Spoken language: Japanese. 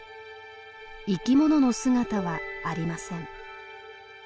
生き物の姿はありません。